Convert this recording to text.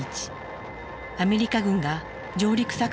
アメリカ軍が上陸作戦を開始。